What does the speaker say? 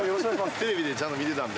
テレビでちゃんと見てたんで。